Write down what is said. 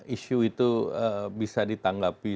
isu itu bisa ditanggapi